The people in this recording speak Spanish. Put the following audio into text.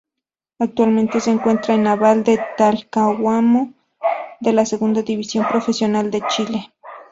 Actualmente se encuentra en Naval de Talcahuano de la Segunda División Profesional de Chile.